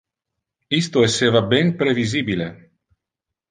Isto esseva ben previsibile.